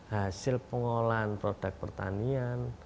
hasil pengolahan produk pertanian